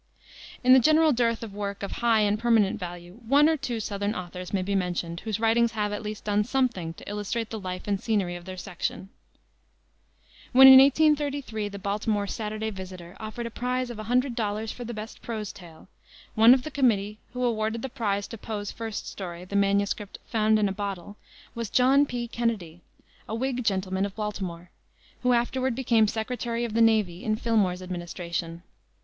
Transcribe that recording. In the general dearth of work of high and permanent value, one or two southern authors may be mentioned whose writings have at least done something to illustrate the life and scenery of their section. When in 1833 the Baltimore Saturday Visitor offered a prize of a hundred dollars for the best prose tale, one of the committee who awarded the prize to Poe's first story, the MS. Found in a Bottle, was John P. Kennedy, a Whig gentleman of Baltimore, who afterward became Secretary of the Navy in Fillmore's administration.